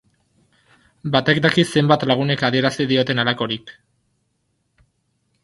Batek daki zenbat lagunek adierazi dioten halakorik.